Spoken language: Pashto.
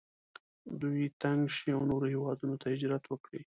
دوی تنګ شي او نورو هیوادونو ته هجرت وکړي.